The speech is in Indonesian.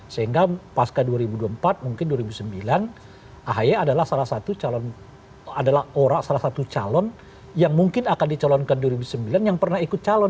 sehingga pasca dua ribu dua puluh empat mungkin dua ribu sembilan ahy adalah salah satu calon adalah ora salah satu calon yang mungkin akan dicalonkan dua ribu sembilan yang pernah ikut calon